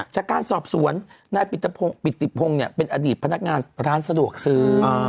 จากการสอบสวนนายปิติพงศ์เป็นอดีตพนักงานร้านสะดวกซื้อ